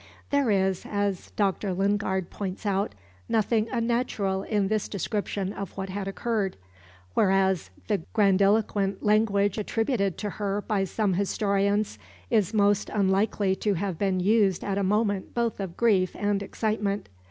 There is, as Dr. Lingard points out, nothing unnatural in this description of what had occurred; whereas the grandiloquent language attributed to her by some historians is most unlikely to have been used at a moment both of grief and excitement.